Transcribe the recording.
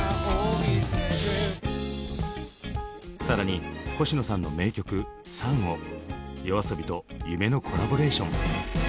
更に星野さんの名曲「ＳＵＮ」をＹＯＡＳＯＢＩと夢のコラボレーション。